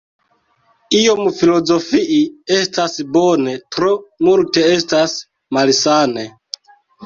Iom filozofii estas bone, tro multe estas malsane.